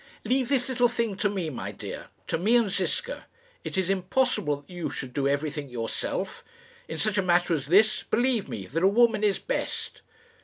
"Leave this little thing to me, my dear to me and Ziska. It is impossible that you should do everything yourself. In such a matter as this, believe me that a woman is best."